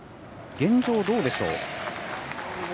現状、どうでしょう。